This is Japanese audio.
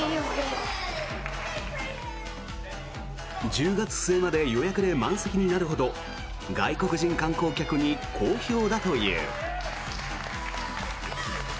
１０月末まで予約で満席になるほど外国人観光客に好評だという。